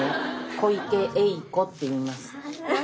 小池栄子って言います。